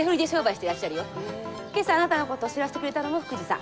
今朝あなたのこと知らせてくれたのも福治さん。